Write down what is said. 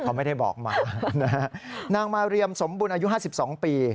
เขาไม่ได้บอกมานางมาเรียมสมบูรณ์อายุ๕๒ปี